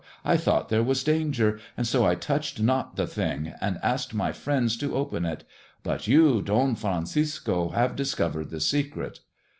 I thought there was danger, and so I touched not the thing, and asked my friends to open it. But you, Don Francisco, have discovered the secret."